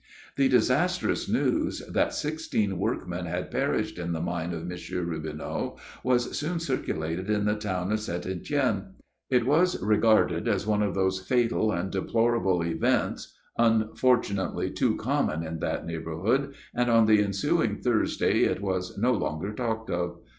The disastrous news, that sixteen workmen had perished in the mine of M. Robinot, was soon circulated in the town of St. Etienne. It was regarded as one of those fatal and deplorable events unfortunately, too common in that neighborhood, and on the ensuing Thursday it was no longer talked of.